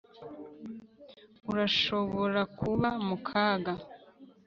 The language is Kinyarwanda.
Urashobora kuba mu kaga